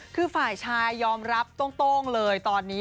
คือฝ่ายชายยอมรับโต้งเลยตอนนี้